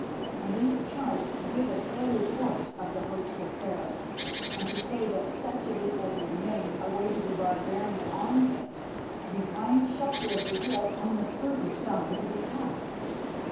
And they were charged to give an ill report of the host of Pharaoh, and to say that such of it as remained awaited the barbarian onset behind the shelter of the hill on the further side of the pass.